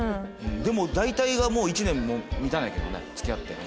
でも大体がもう１年も満たないけどね付き合っても。